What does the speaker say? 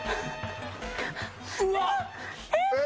うわっ！え！